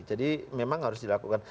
jadi memang harus dilakukan